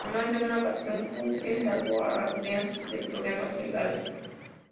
En más de una ocasión, Justin salvó a Brian de problemas legales.